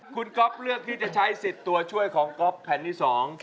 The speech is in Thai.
คุณก๊อฟเลือกที่จะใช้สิทธิ์ตัวช่วยของก๊อฟแผ่นที่๒